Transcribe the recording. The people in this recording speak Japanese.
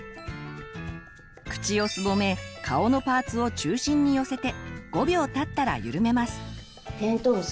口をすぼめ顔のパーツを中心に寄せて５秒たったらゆるめます。